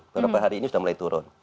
beberapa hari ini sudah mulai turun